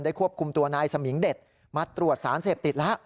ควบคุมตัวนายสมิงเด็ดมาตรวจสารเสพติดแล้ว